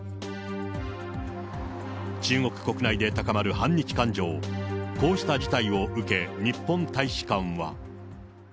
中国国内で高まる反日感情、こうした事態を受け、日本大使館は。